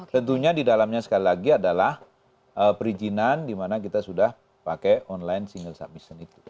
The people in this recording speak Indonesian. tentunya di dalamnya sekali lagi adalah perizinan di mana kita sudah pakai online single submission itu